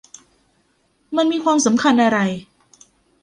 มันมีความสำคัญอะไร ?